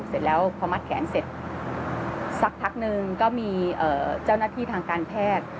เสร็จแล้วพอมัดแขนเสร็จสักพักนึงก็มีเจ้าหน้าที่ทางการแพทย์